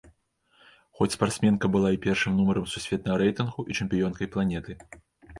Хоць спартсменка была і першым нумарам сусветнага рэйтынгу і чэмпіёнкай планеты.